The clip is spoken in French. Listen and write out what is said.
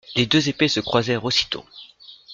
Les deux épées se croisèrent aussitôt.